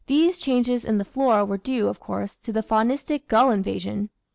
These changes in the flora were due, of course, to the faunistic gull invasion.